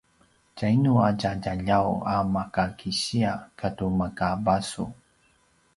tjainu a tja djaljaw a maka kisiya katu maka basu?